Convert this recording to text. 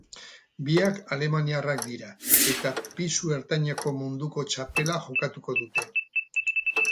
Biak alemaniarrak dira eta pisu ertaineko munduko txapela jokatuko dute.